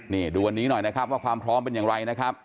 นี่ดูวันนี้หน่อยนะครับว่าความพร้อมเป็นอย่างไรนะครับ